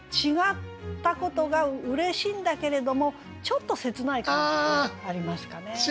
違ったことがうれしいんだけれどもちょっと切ない感じもありますかね。